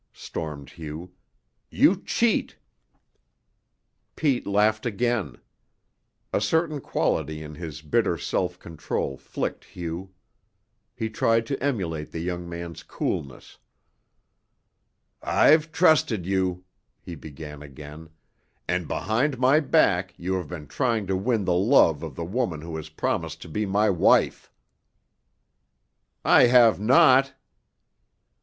stormed Hugh. "You cheat!" Pete laughed again. A certain quality in his bitter self control flicked Hugh. He tried to emulate the young man's coolness. "I've trusted you," he began again; "and behind my back you have been trying to win the love of the woman who has promised to be my wife." "I have not."